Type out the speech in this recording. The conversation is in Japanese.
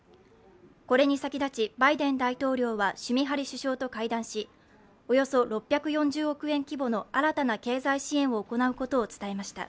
これに先立ちバイデン大統領はシュミハリ首相と会談しおよそ６４０億円規模の新たな経済支援を行うことを伝えました。